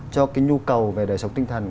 cho cái nhu cầu về đời sống tinh thần